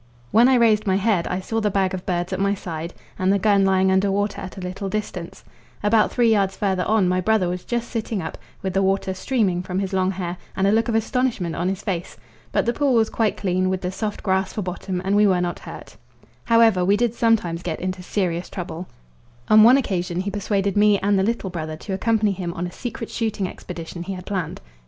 When I raised my head I saw the bag of birds at my side, and the gun lying under water at a little distance; about three yards further on my brother was just sitting up, with the water streaming from his long hair, and a look of astonishment on his face. But the pool was quite clean, with the soft grass for bottom, and we were not hurt. However, we did sometimes get into serious trouble. On one occasion he persuaded me and the little brother to accompany him on a secret shooting expedition he had planned.